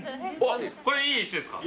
これいい石ですか？